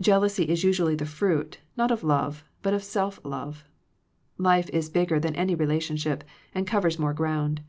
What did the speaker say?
Jealousy is usually the fruit, not of love, but of self love. Life is big ger than any relationship, and covers more ground.